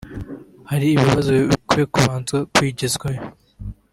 hari ibibazo bikwiye kubanza kwigizwayo